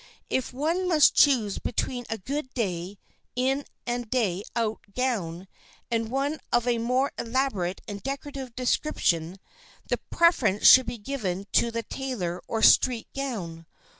If one must choose between a good day in and day out gown and one of a more elaborate and decorative description, the preference should be given to the tailor or street gown.